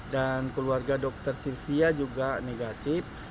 dan keluarga dokter silvia juga negatif